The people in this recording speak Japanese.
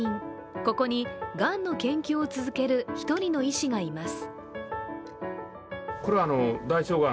ここに、がんの研究を続ける１人の医師がいます。